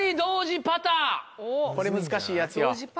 これ難しいやつや。